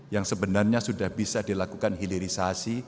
yang sebenarnya sudah bisa dilakukan hilirisasi